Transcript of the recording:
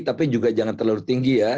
tapi juga jangan terlalu tinggi ya